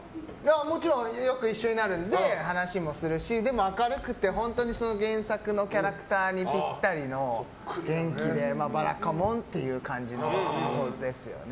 もちろん。よく一緒になるので話もするし、でも明るくて本当に原作のキャラクターにぴったりの元気で、「ばらかもん」っていう感じですよね。